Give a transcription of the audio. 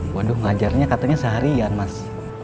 waduh ngajarnya katanya seharian mas